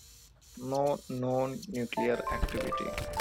No known nuclear activity.